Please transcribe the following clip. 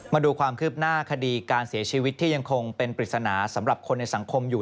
มาดูความคืบหน้าคดีการเสียชีวิตที่ยังคงเป็นปริศนาสำหรับคนในสังคมอยู่